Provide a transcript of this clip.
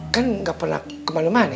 kan gapernah keman mane